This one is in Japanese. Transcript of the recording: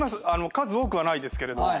数多くはないですけれど。